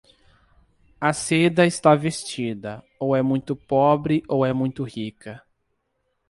A seda está vestida, ou é muito pobre ou é muito rica.